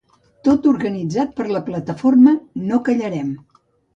Tot organitzat per la plataforma "No Callarem".